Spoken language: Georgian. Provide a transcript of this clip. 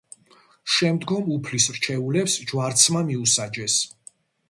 შემდგომ უფლის რჩეულებს ჯვარცმა მიუსაჯეს.